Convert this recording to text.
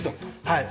はい。